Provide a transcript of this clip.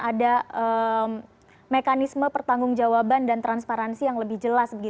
ada mekanisme pertanggung jawaban dan transparansi yang lebih jelas